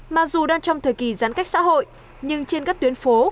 mặc dù đang trong thời kỳ giãn cách xã hội nhưng trên các tuyến phố